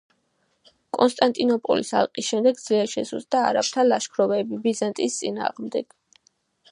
კონსტანტინოპოლის ალყის შემდეგ ძლიერ შესუსტდა არაბთა ლაშქრობები ბიზანტიის წინააღმდეგ.